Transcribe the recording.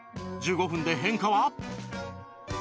１５分で変化は？